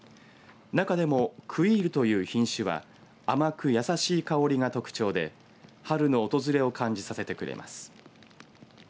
中でもクイールという品種は甘く優しい香りが特徴で春の訪れを感じさせてくれます。